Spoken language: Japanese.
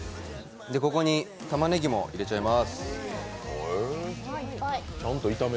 ここにたまねぎも入れちゃいます。